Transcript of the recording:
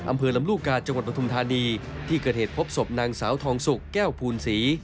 อำเภอลำลูกกาจังหวัดปฐุมธานีที่เกิดเหตุพบศพนางสาวทองสุกแก้วภูลศรี